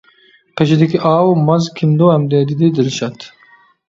-قېشىدىكى ئاۋۇ ماز كىمدۇ ئەمدى؟ -دېدى دىلشات.